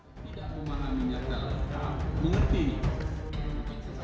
tidak aku malah menyatakan mengerti